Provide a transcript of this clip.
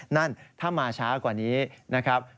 นั่นถ้ามาช้ากว่านี้นะครับ